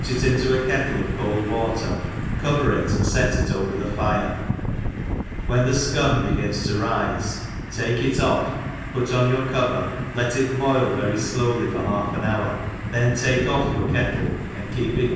it into a ketricof cold wa ter, cover ir, and fet it over the fire; when the fcum begins to rife take it off, put on your cover, let it boil very flowly for half an hour, then take off your kettle, and keep it.